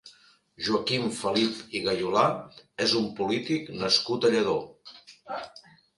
Joaquim Felip i Gayolà és un polític nascut a Lladó.